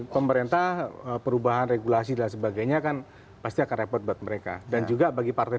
pemerintah perubahan regulasi dan sebagainya kan pasti akan repot buat mereka dan juga bagi partai